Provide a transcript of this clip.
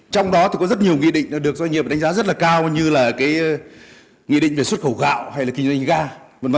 trong đó thì có rất nhiều nghị định được doanh nghiệp đánh giá rất là cao như là cái nghị định về xuất khẩu gạo hay là kinh doanh ga v v